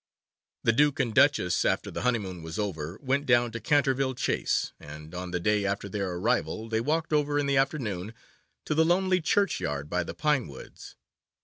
The Duke and Duchess, after the honeymoon was over, went down to Canterville Chase, and on the day after their arrival they walked over in the afternoon to the lonely churchyard by the pine woods.